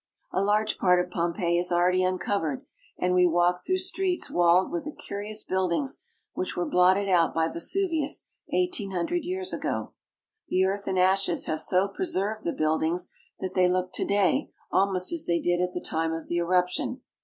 A large part of Pompeii is already uncovered, and we walk through streets walled with the curious buildings which were blotted out by Vesuvius eighteen hundred years ago. The earth and ashes have so preserved the buildings that they look to day almost as they did at the time of the eruption.